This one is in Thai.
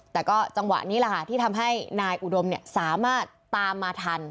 แต่ก็จังหวะนี้แหละค่ะที่ทำให้นายอุดมสามารถตามมาทัน